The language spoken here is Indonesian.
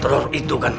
tapi jeruh itu gak ada